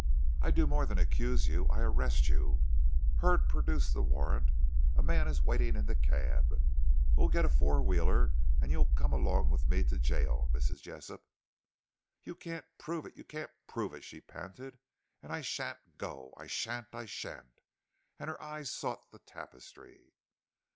"I do more than accuse you, I arrest you." Hurd produced the warrant. "A man is waiting in the cab. We'll get a four wheeler, and you'll come along with me to gaol, Mrs. Jessop." "You can't prove it you can't prove it," she panted, "and I sha'n't go I sha'n't I sha'n't!" and her eyes sought the tapestry.